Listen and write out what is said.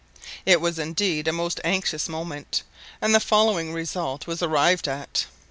It was indeed a most anxious moment, and the following result was arrived at.